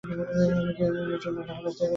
আমি কোলাবার little tots playschool থেকে কথা বলছি।